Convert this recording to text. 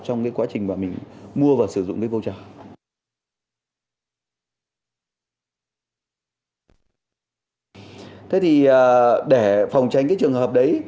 rồi mới buộc dây